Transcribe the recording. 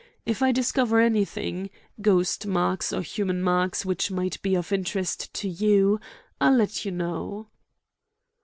If I discover anything—ghost marks or human marks which might be of interest to you—I'll let you know."